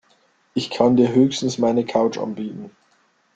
Ich kann dir höchstens meine Couch anbieten.